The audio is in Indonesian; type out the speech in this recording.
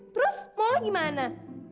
terus mau lagi mana